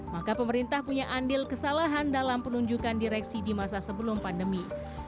maka pemerintah punya andil kesalahan dalam penunjukan direksi di masa sebelum pandemi